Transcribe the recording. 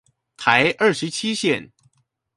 台二十七線